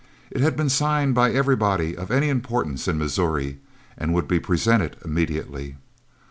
It had been signed by everybody of any importance in Missouri, and would be presented immediately.